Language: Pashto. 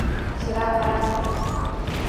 شراب حرام دي .